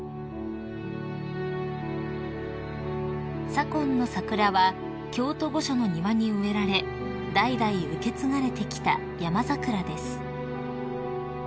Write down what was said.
［左近の桜は京都御所の庭に植えられ代々受け継がれてきたヤマザクラです］